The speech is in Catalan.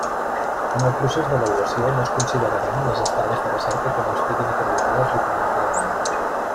En el procés d'avaluació no es consideraran les estades de recerca que no estiguin acreditades documentalment.